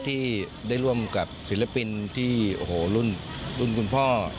ที่ได้ร่วมกับศิลปินที่โอ้โหรุ่นคุณพ่อ